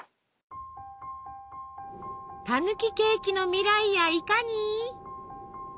たぬきケーキの未来やいかに！？